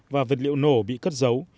và vật liệu nổ bị cất giấu